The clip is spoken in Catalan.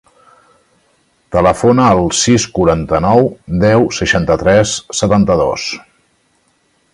Telefona al sis, quaranta-nou, deu, seixanta-tres, setanta-dos.